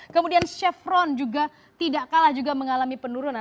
kemudian chevron juga tidak kalah juga mengalami penurunan